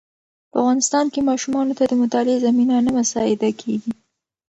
په افغانستان کې ماشومانو ته د مطالعې زمینه نه مساعده کېږي.